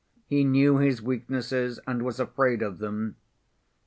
He knew his weaknesses and was afraid of them.